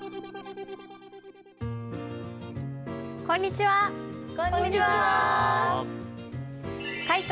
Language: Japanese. こんにちは。